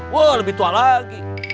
wah lebih tua lagi